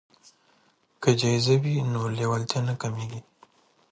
که جایزه وي نو لیوالتیا نه کمیږي.